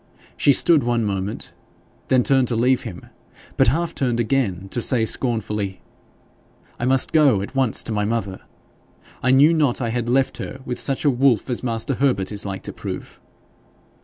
She stood one moment, then turned to leave him, but half turned again to say scornfully 'I must go at once to my mother! I knew not I had left her with such a wolf as master Herbert is like to prove!'